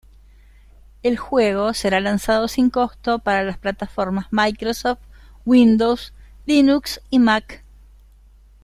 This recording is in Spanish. El juego será lanzado sin costo para las plataformas Microsoft Windows, Linux y Mac.